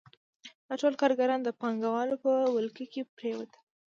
دا ټول کارګران د پانګوالو په ولکه کې پرېوتل